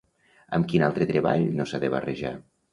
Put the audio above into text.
Amb quin altre treball no s'ha de barrejar?